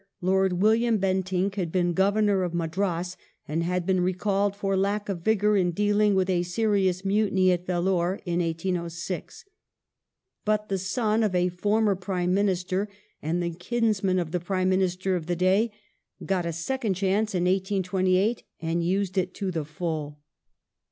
Lord William Bentinck had been Governor of Madras, and had been recalled for lack of vigour in dealing with a serious mutiny at Vellore (1806). But the son of a former Prime Minister, and the kinsman of the Prime Minister of the day, got a second chance in 1828, and used it to the full.